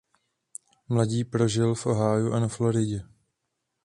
Mládí prožil v Ohiu a na Floridě.